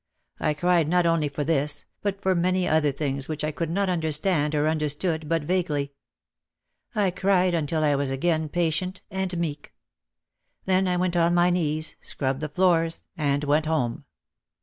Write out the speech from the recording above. I cried not only for this but for many other things which I could not understand or understood but vaguely. I cried until I was again patient and meek. Then I went on my knees, scrubbed the floors and went home.